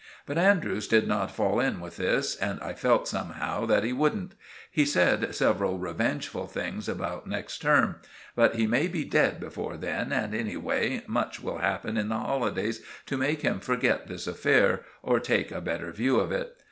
But Andrews did not fall in with this, and I felt, somehow, that he wouldn't. He said several revengeful things about next term; but he may be dead before then, and anyway, much will happen in the holidays to make him forget this affair, or take a better view of it.